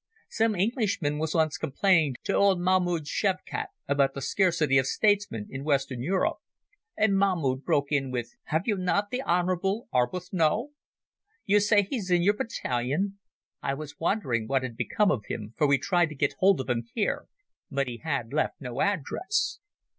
Some Englishman was once complaining to old Mahmoud Shevkat about the scarcity of statesmen in Western Europe, and Mahmoud broke in with, 'Have you not the Honourable Arbuthnot?' You say he's in your battalion. I was wondering what had become of him, for we tried to get hold of him here, but he had left no address.